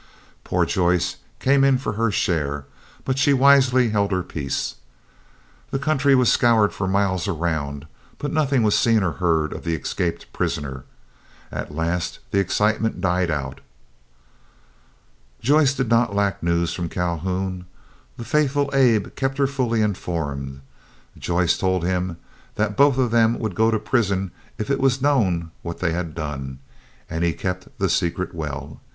Poor Joyce came in for her share, but she wisely held her peace. The country was scoured for miles around, but nothing was seen or heard of the escaped prisoner, and at last the excitement died out. Joyce did not lack news from Calhoun. The faithful Abe kept her fully informed. Joyce told him that both of them would go to prison if it was known what they had done, and he kept the secret well.